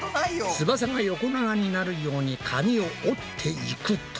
翼が横長になるように紙を折っていくと。